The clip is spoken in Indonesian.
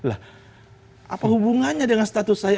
apa hubungannya dengan status saya